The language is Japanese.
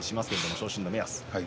昇進の目安。